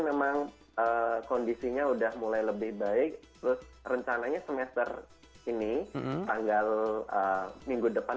memang kondisinya udah mulai lebih baik terus rencananya semester ini tanggal minggu depan